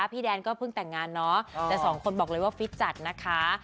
พี่แดนก็เพิ่งแต่งงานเนาะแต่สองคนบอกเลยว่าฟิตจัดนะคะ